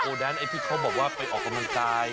แดนไอ้ที่เขาบอกว่าไปออกกำลังกาย